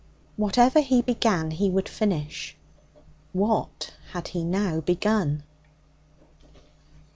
Whatever he began he would finish. What had he now begun?